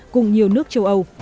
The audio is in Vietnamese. cùng nhiều nước châu âu